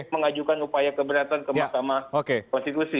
mengajukan upaya keberatan sama sama konstitusi